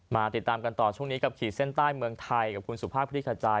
มาติดตามกันต่อช่วงนี้กับขีดเส้นใต้เมืองไทยกับคุณสุภาพคลิกขจาย